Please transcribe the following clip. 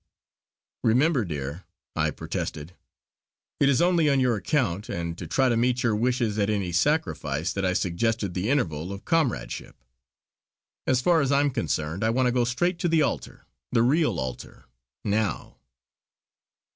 "Remember, dear" I protested "it is only on your account, and to try to meet your wishes at any sacrifice, that I suggested the interval of comradeship. As far as I am concerned I want to go straight to the altar the real altar now."